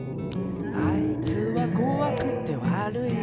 「あいつはこわくて悪いやつ」